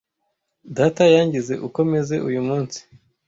Data yangize uko meze uyu munsi.